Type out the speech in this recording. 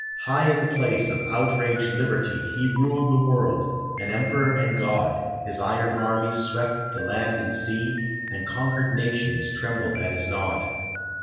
High in the place of outraged liberty, He ruled the world, an emperor and god His iron armies swept the land and sea, And conquered nations trembled at his nod.